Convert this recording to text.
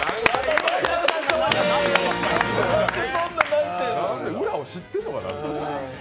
なんで、裏知ってんのかな。